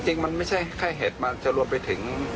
จริงมันไม่ใช่แค่เห็ดมันจะรวมไปถึง